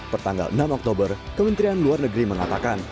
pertanggal enam oktober kementerian luar negeri mengatakan